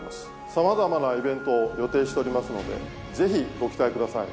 さまざまなイベントを予定しておりますのでぜひご期待ください。